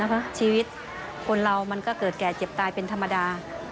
เพราะชีวิตคนเรามันก็เกิดแก่เจ็บตายเป็นธรรมดา